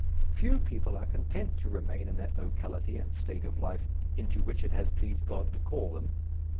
Few people are content to remain in that locality and state of life "into which it has pleased God to call them."